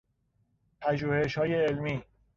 پژوهشهای علمی